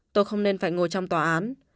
tôi không nên phải ngồi trong tòa án